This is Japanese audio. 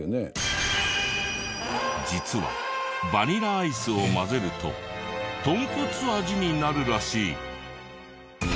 実はバニラアイスを混ぜると豚骨味になるらしい。